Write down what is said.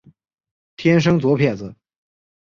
天生左撇子。